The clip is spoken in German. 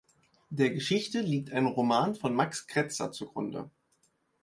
Der Geschichte liegt ein Roman von Max Kretzer zugrunde.